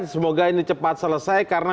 semoga ini cepat selesai karena